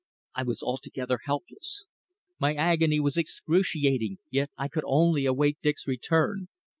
I was altogether helpless. My agony was excruciating, yet I could only await Dick's return.